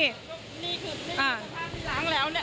อ่านี่คือนี่คือข้างหลังแล้วเนี่ย